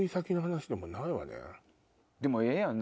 でもええやん！